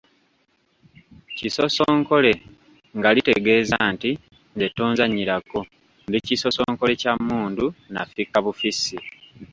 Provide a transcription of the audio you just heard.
Kisosonkole nga litegeeza nti “nze tonzannyirako, ndi kisosonkole kya mmundu, nafikka bufissi.”